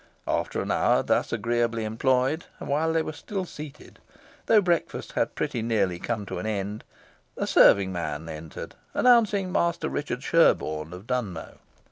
After an hour thus agreeably employed, and while they were still seated, though breakfast had pretty nearly come to an end, a serving man entered, announcing Master Richard Sherborne of Dunnow.